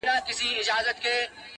باز به بيرته بيزو وان ځان ته پيدا كړ.!